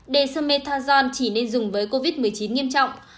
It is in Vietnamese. dơmethanol chỉ nên dùng với covid một mươi chín nghiêm trọng